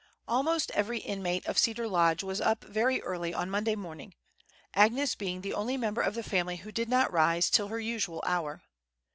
ALMOST every inmate of Cedar Lodge was up very early on Monday morning, Agnes being the only member of the family who did not rise till her usual hour.